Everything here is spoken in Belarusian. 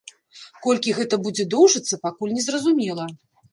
Колькі гэта будзе доўжыцца, пакуль незразумела.